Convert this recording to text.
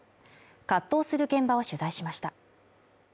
葛藤する現場を取材しました。